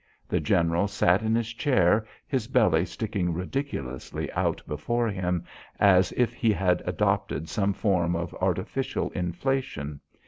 The general sat in his chair, his belly sticking ridiculously out before him as if he had adopted some form of artificial inflation.